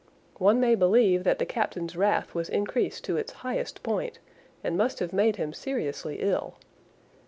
One may believe that the captain's wrath was increased to its highest point, and must have made him seriously ill.